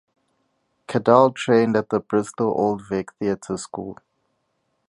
Cadell trained at the Bristol Old Vic Theatre School.